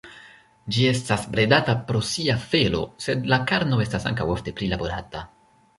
Ĝi estas bredata pro sia felo, sed la karno estas ankaŭ ofte prilaborata.